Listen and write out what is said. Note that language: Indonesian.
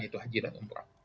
yaitu haji dan umroh